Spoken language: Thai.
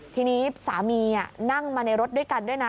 ทีนี้สามีนั่งมาในรถด้วยกันด้วยนะ